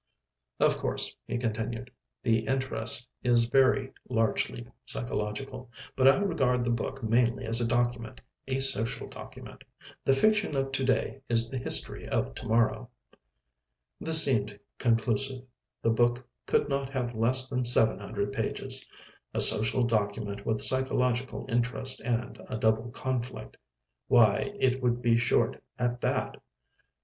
"Of course," he continued, "the interest is very largely psychological, but I regard the book mainly as a document a social document. The fiction of to day is the history of to morrow." This seemed conclusive. The book could not have less than 700 pages. A social document with psychological interest and a double conflict. Why, it would be short at that.